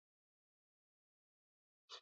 افغانستان د خپلو غوښې له مخې پېژندل کېږي.